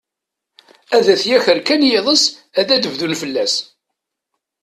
Ad t-yaker kan yiḍes, ad d-bdun fell-as.